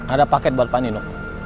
ada paket buat pak nino